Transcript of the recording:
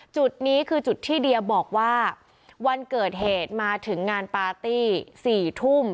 จุดนี้คือจุดที่เดียบอกว่าวันเกิดเหตุมาถึงงานปาร์ตี้๔ทุ่ม